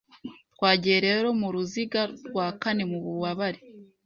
Twagiye rero muruziga rwa kane mububabare